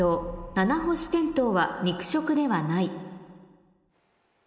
「ナナホシテントウは肉食ではない」